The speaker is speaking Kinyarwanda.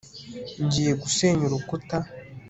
ngiye gusenya urukuta